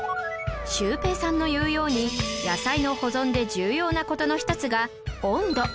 シュウペイさんの言うように野菜の保存で重要な事の１つが温度